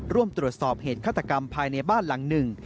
ร่วมตรวจสอบเหตุฆาตกรรมภายในบ้านหลังหนึ่ง